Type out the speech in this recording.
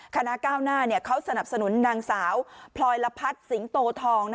คณะก้าวหน้าเขาสนับสนุนนางสาวพลอยละพัฒน์สิงโตทอง